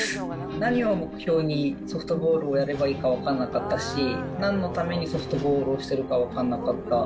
何を目標にソフトボールをやればいいか分からなかったし、なんのためにソフトボールをしてるか分からなかった。